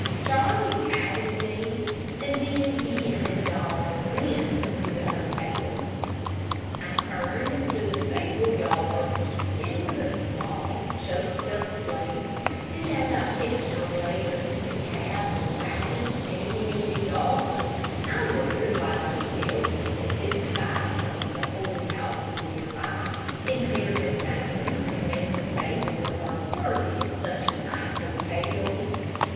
Charlie patted me, and then he and his dog went into the hotel. I turned into the stable yard. It was a small, choked up place, and as I picked my way under the cabs and wagons standing in the yard, I wondered why the hotel people didn't buy some of the old houses near by, and tear them down, and make a stable yard worthy of such a nice hotel.